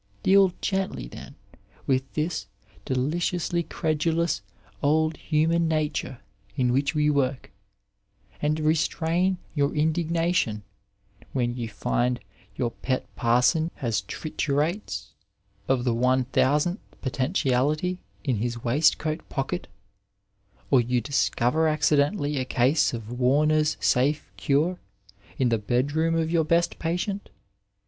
Deal gently then with this de liciously credulous old human nature in which we work, and restrain your indignation, when you find your pet parson has triturates of the 1000th potentiality in his waistcoat pocket, or you discover accidentally a case of Warner's Safe Cure in the bedroom of your best patient.